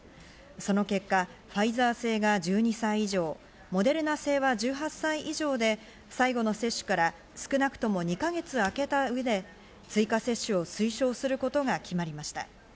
その結果、ファイザー製が１２歳以上、モデルナ製は１８歳以上で、最後の接種から少なくとも２か月あけた上で追加接種を推奨することが決まりました。